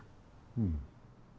うん。